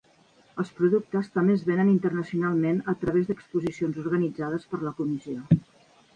Els productes també es venen internacionalment a través d'exposicions organitzades per la comissió.